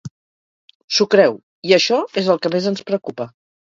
S'ho creu, i això és el que més ens preocupa.